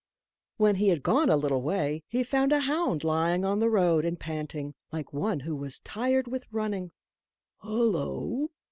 When he had gone a little way, he found a hound lying on the road and panting, like one who was tired with running. "Hollo!